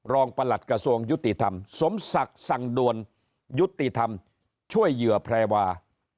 ประหลัดกระทรวงยุติธรรมสมศักดิ์สั่งด่วนยุติธรรมช่วยเหยื่อแพรวา